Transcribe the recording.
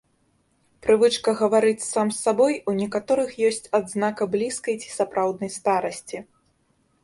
Прывычка гаварыць сам з сабой у некаторых ёсць адзнака блізкай ці сапраўднай старасці.